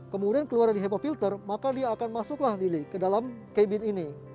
kemudian keluariai di hepa filter maka dia akan masuklah ke dalam cabin ini